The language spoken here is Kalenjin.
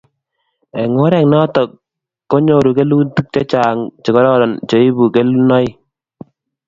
Eng' oret notok ko nyoru kelutik chechang'chekororon che ibu kelnoik